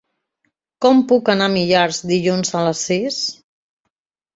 Com puc anar a Millars dilluns a les sis?